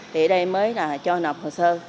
thì ở đây mới là cho nộp hồ sơ